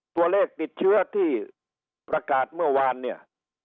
ตัวเลขติดเชื้อที่ประกาศเมื่อวานเนี่ย